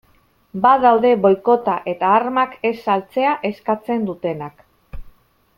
Badaude boikota eta armak ez saltzea eskatzen dutenak.